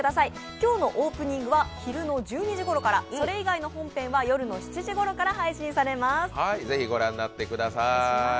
今日のオープニングは昼の１２時ごろからそれ以外の本編は夜の７時ごろから配信されます。